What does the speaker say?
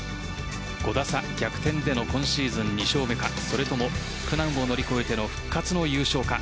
５打差逆転での今シーズン２勝目かそれとも苦難を乗り越えての復活の優勝か。